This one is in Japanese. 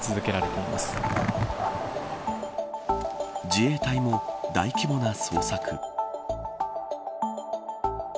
自衛隊も大規模な捜索。